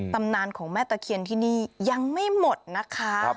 ตำนานของแม่ตะเคียนที่นี่ยังไม่หมดนะคะ